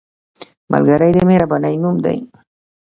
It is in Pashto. ملګری د مهربانۍ نوم دی